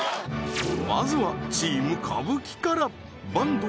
まずはチーム歌舞伎から坂東